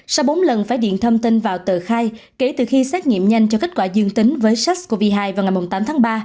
sau bốn lần phải điện thông tin vào tờ khai kể từ khi xét nghiệm nhanh cho kết quả dương tính với sars cov hai vào ngày tám tháng ba